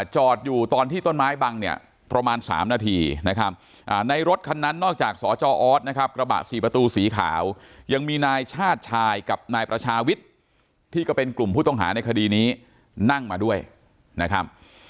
จอดอยู่ตอนที่ต้นไม้บังเนี่ยประมาณ๓นาทีนะครับในรถคันนั้นนอกจากสจออสนะครับกระบะสี่ประตูสีขาวยังมีนายชาติชายกับนายประชาวิทย์ที่ก็เป็นกลุ่มผู้ต้องหาในคดีนี้นั่งมาด้วยนะครับ